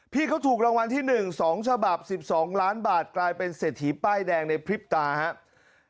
พี่เขาถูกรางวัลที่๑๒ฉบับ๑๒ล้านบาทกลายเป็นเศรษฐีป้ายแดงในพริบตาครับ